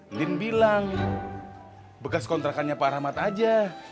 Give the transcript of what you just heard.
edin bilang bekas kontrakannya pak rahmat aja